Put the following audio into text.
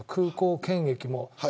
空港検疫も。